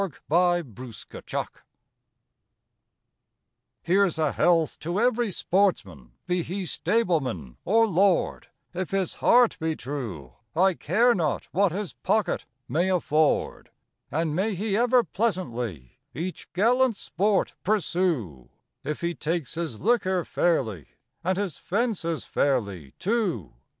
A Hunting Song Here's a health to every sportsman, be he stableman or lord, If his heart be true, I care not what his pocket may afford; And may he ever pleasantly each gallant sport pursue, If he takes his liquor fairly, and his fences fairly, too.